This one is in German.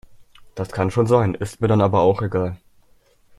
Das kann schon sein, ist mir dann aber auch egal.